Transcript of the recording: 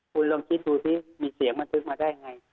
คุณลองคิดดูที่มีเสียงเมืองซึ้งมาได้ไง